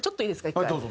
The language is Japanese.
１回。